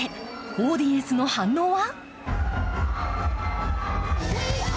オーディエンスの反応は？